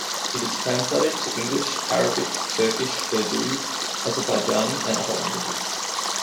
It is translated to English, Arabic, Turkish, Urdu, Azerbaijani and other languages.